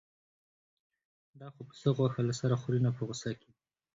دا خو پسه غوښه له سره خوري نه په غوسه کې.